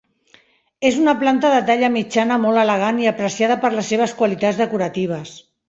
És una planta de talla mitjana molt elegant i apreciada per les seves qualitats decoratives.